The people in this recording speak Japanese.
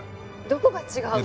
どこが違うの？